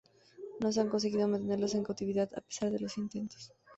No se ha conseguido mantenerlos en cautividad, a pesar de los intentos.